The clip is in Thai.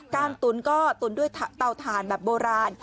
ตุ๋นก็ตุ๋นด้วยเตาถ่านแบบโบราณ